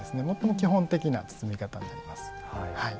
最も基本的な包み方になります。